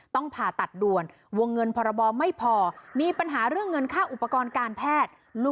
ผ่าตัดด่วนวงเงินพรบไม่พอมีปัญหาเรื่องเงินค่าอุปกรณ์การแพทย์